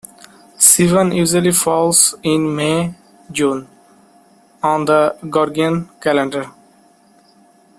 Sivan usually falls in May-June on the Gregorian calendar.